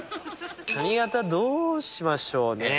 髪形どうしましょうね。